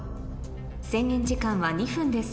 制限時間は２分です